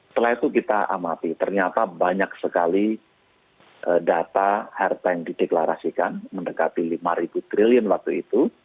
setelah itu kita amati ternyata banyak sekali data harta yang dideklarasikan mendekati lima triliun waktu itu